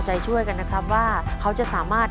คุณยายแจ้วเลือกตอบจังหวัดนครราชสีมานะครับ